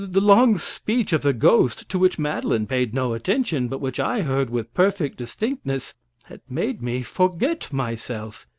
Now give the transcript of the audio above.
The long speech of the ghost, to which Madeline paid no attention, but which I heard with perfect distinctness, had made me forget myself.